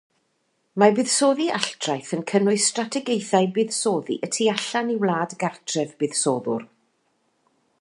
Mae buddsoddi alltraeth yn cynnwys strategaethau buddsoddi y tu allan i wlad gartref buddsoddwr.